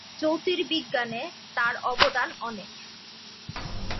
জ্যোতির্বিজ্ঞানে তার অবদান অনেক।